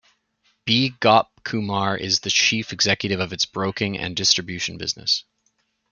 B Gopkumar is the Chief Executive of its broking and distribution business.